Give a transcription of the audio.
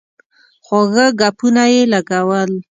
خواږه ګپونه یې لګول.